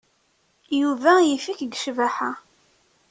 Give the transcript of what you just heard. Yuba yif-ik deg ccbaḥa.